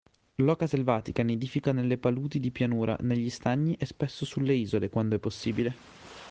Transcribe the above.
L'oca selvatica nidifica nelle paludi di pianura, negli stagni e spesso sulle isole, quando è possibile.